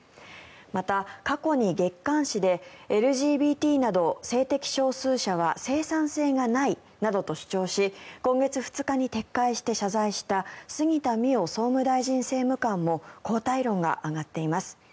また過去に月刊誌でＬＧＢＴなど性的少数者は生産性がないなどと主張し今月２日に撤回して謝罪した杉田水脈総務大臣政務官も交代論が上がっています。